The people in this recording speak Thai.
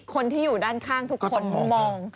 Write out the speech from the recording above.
คนที่อยู่ด้านข้างทุกคนมอง